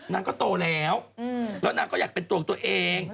นางก็โตแล้วแล้วนางก็อยากเป็นตัวของตัวเอง